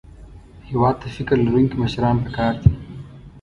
هېواد ته فکر لرونکي مشران پکار دي